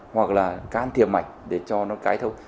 hoặc là can thiệp mạch để cho nó cái thông